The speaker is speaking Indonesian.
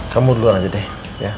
kamu duluan aja deh